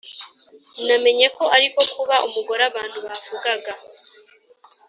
namenye ko ari ko kuba umugore abantu bavugaga,